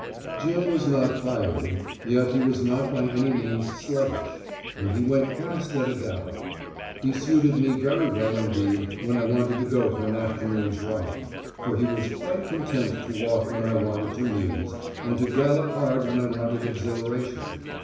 Jim was not fiery, yet he was not by any means sluggish, and he went fast at a gallop. He suited me very well indeed when I wanted to go for an afternoon's ride; for he was quite content to walk when I wanted to muse, and to gallop hard when I wanted exhilaration.